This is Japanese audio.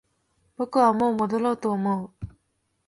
僕はもう戻ろうと思う